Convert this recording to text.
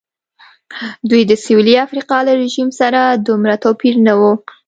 دوی د سوېلي افریقا له رژیم سره دومره توپیر نه و.